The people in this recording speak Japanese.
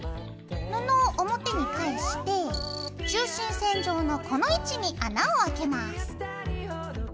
布を表に返して中心線上のこの位置に穴をあけます。